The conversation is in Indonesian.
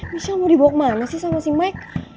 michelle mau dibawa kemana sih sama si mic